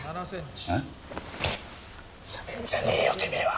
しゃべんじゃねえよ